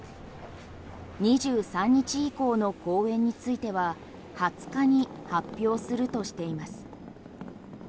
２３日以降の公演については２０日に発表するとしています。